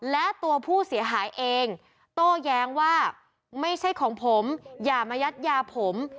และตัวผู้เสียหายเองโต้แย้งว่าไม่ใช่ของผมอย่ามายัดยาผม